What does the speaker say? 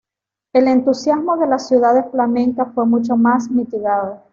El entusiasmo de las ciudades flamencas fue mucho más mitigado.